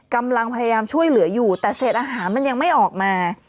กำลังพยายามช่วยเหลืออยู่แต่เศษอาหารมันยังไม่ออกมา